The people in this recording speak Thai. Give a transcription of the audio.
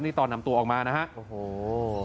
นี่ตอนนำตัวออกมานะครับ